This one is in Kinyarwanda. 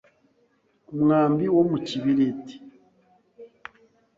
umwambi wo mu kibiriti